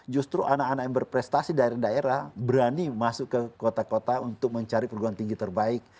justru anak anak yang berprestasi daerah daerah berani masuk ke kota kota untuk mencari perguruan tinggi terbaik